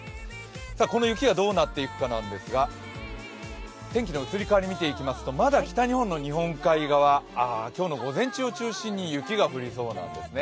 この雪がどうなっていくかなんですが、天気の移り変わり見ていきますとまだ北日本の日本海側、今日の午前中を中心に雪が降りそうなんですね